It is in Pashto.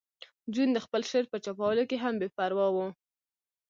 جون د خپل شعر په چاپولو کې هم بې پروا و